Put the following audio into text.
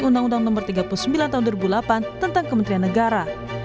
undang undang no tiga puluh sembilan tahun dua ribu delapan tentang kementerian negara